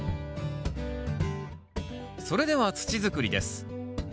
それでは土づくりです。